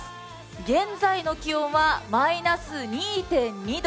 現在の気温はマイナス２．２度。